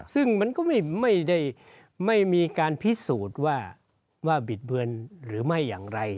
ซึ่งมันก็ไม่ได้ไม่มีการพิสูจน์ว่าบิดเบือนหรือไม่อย่างไร